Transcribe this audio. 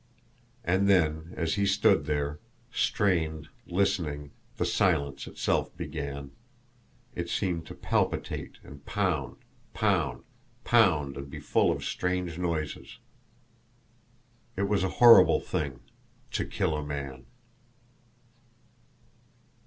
And then, as he stood there, strained, listening, the silence itself began, it seemed, to palpitate, and pound, pound, pound, and be full of strange noises. It was a horrible thing to kill a man!